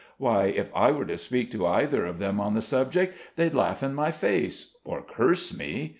Why, if I were to speak to either of them on the subject, they'd laugh in my face, or curse me.